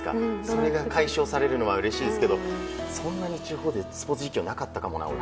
それが解消されるのはうれしいですがそんなに地方でスポーツ実況なかったかもな。